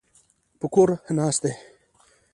په کور ناست دی.